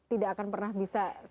tidak akan pernah bisa